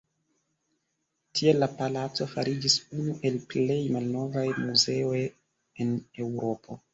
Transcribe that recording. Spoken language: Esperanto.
Tial la palaco fariĝis unu el plej malnovaj muzeoj en Eŭropo.